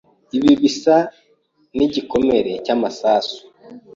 Ibi bisa nkigikomere cyamasasu.